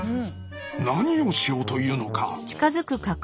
何をしようというのか。